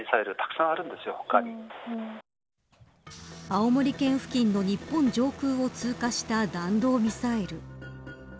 青森県付近の日本上空を通過した弾道ミサイル。